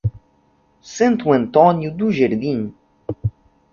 Santo Antônio do Jardim